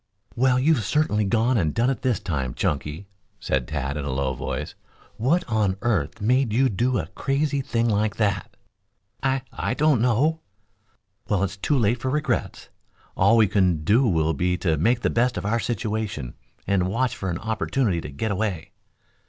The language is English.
"Well, you've certainly gone and done it this time, Chunky," said Tad in a low voice. "What on earth made you do a crazy thing like that?" "I I don't know." "Well, it's too late for regrets. All we can do will be to make the best of our situation and watch for an opportunity to get away."